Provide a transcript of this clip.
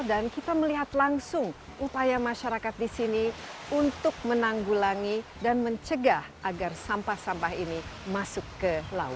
dan kita melihat langsung upaya masyarakat di sini untuk menanggulangi dan mencegah agar sampah sampah ini masuk ke laut